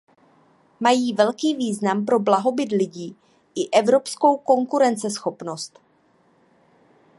Mají velký význam pro blahobyt lidí i pro evropskou konkurenceschopnost.